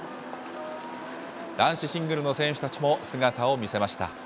男子シングルの選手たちも姿を見せました。